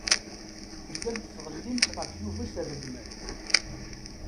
Tellamt tɣellimt ɣef Yuba s rregmat.